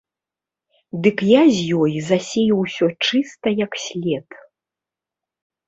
Дык я ёй засею ўсё чыста як след.